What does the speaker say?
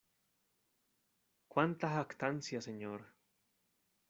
¡ cuánta jactancia, señor!